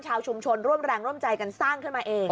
ชาวชุมชนร่วมแรงร่วมใจกันสร้างขึ้นมาเอง